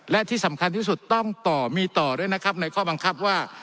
และที่สำคัญที่สุดต้องต่อมีต่อด้วยนะครับในข้อบังคับว่า